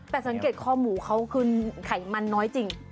แต่สังเกตคอหมูเขาคือไขมันน้อยจริง